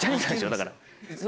だから。